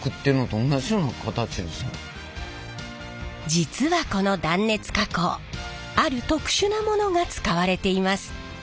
実はこの断熱加工ある特殊なものが使われています。